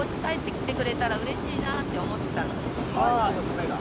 娘が？